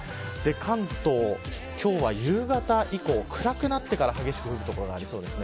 関東、今日は夕方以降暗くなってから激しく降る所がありそうです。